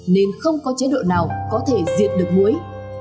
nên không có chế độ nào có thể diệt được mũi